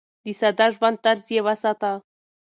د ساده ژوند طرز يې وساته.